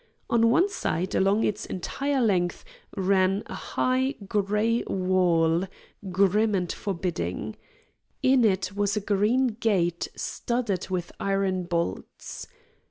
On one side, along its entire length, ran a high gray wall, grim and forbidding. In it was a green gate studded with iron bolts.